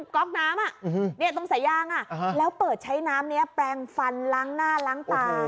ก๊อกน้ำตรงสายางแล้วเปิดใช้น้ำนี้แปลงฟันล้างหน้าล้างตา